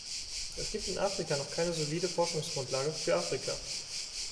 Es gibt in Afrika noch keine solide Forschungsgrundlage für Afrika.